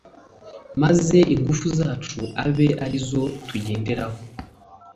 maze ingufu zacu abe ari zo tugenderaho